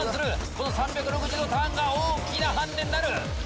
この３６０度ターンが大きなハンデになる。